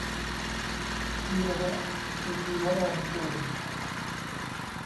ธีระ สุธีวรางกูร